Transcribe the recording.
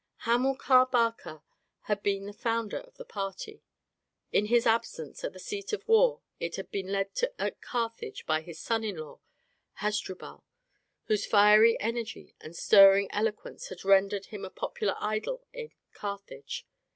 Hamilcar Barca had been the founder of the party; in his absence at the seat of war it had been led at Carthage by his son in law Hasdrubal, whose fiery energy and stirring eloquence had rendered him a popular idol in Carthage.